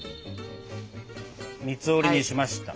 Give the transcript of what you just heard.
三つ折りにしました。